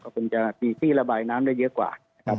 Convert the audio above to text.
คงจะมีที่ระบายน้ำได้เยอะกว่านะครับ